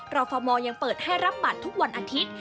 ฟอร์มยังเปิดให้รับบัตรทุกวันอาทิตย์